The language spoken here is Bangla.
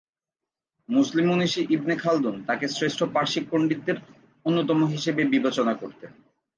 মুসলিম মনীষী ইবনে খালদুন তাঁকে শ্রেষ্ঠ পারসিক পণ্ডিতদের অন্যতম হিসেবে বিবেচনা করতেন।